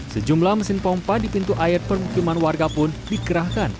sejumlah mesin pompa di pintu air permukiman warga pun dikerahkan